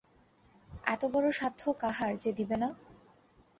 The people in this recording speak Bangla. এতবড়ো সাধ্য কাহার যে দিবে না?